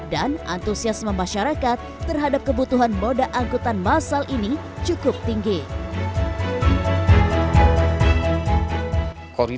dan antusiasme masyarakat terhadap kebutuhan moda angkutan masal ini cukup tinggi